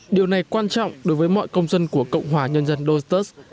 điều này quan trọng đối với mọi công dân của cộng hòa nhân dân dosters